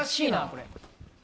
これ。